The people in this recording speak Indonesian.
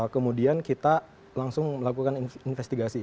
kemudian kita langsung melakukan investigasi